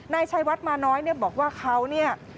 นายชัยวัดมาน้อยเนี่ยบอกว่าเขาเนี่ย